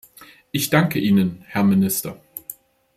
Ich danke Ihnen, Herr Minister.